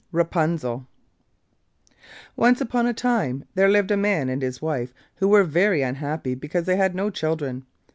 RAPUNZEL Once upon a time there lived a man and his wife who were very unhappy because they had no children.